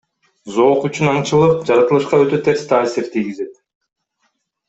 Зоок үчүн аңчылык жаратылышка өтө терс таасир тийгизет.